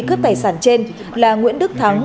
cướp tài sản trên là nguyễn đức thắng